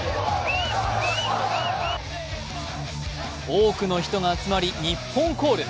多くの人が集まりニッポンコール。